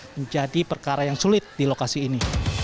menjadi perkara yang sulit di lokasi ini